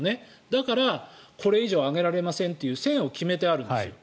だからこれ以上上げられませんという線は決めているんです。